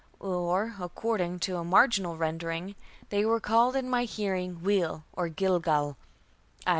or, according to a marginal rendering, "they were called in my hearing, wheel, or Gilgal," i.